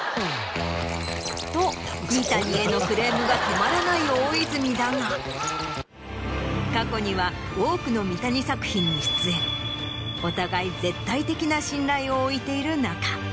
と三谷へのクレームが止まらない大泉だが過去には多くの三谷作品に出演。を置いている仲。